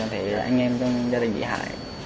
thì là anh em cho gia đình bị hại